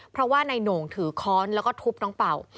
เพราะว่านายโหน่งถือค้อนแล้วก็ทุบน้องเป่า